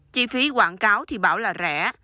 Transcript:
chi phí quảng cáo thì bảo là rẻ